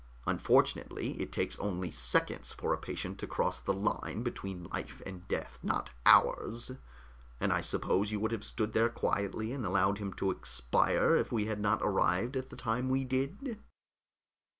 "Unfortunately, it takes only seconds for a patient to cross the line between life and death, not hours. And I suppose you would have stood there quietly and allowed him to expire if we had not arrived at the time we did?"